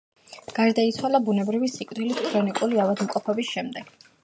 გარდაიცვალა ბუნებრივი სიკვდილით ქრონიკული ავადმყოფობის შემდეგ.